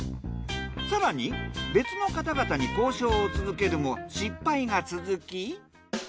更に別の方々に交渉を続けるも失敗が続き。